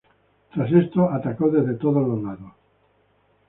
Tras esto atacó desde todos lados.